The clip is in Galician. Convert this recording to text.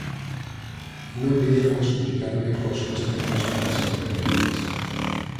Non viñeron a suplicarme coas súas tenras bocas entreabertas.